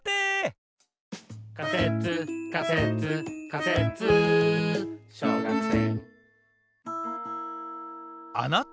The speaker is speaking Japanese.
「仮説仮説仮説小学生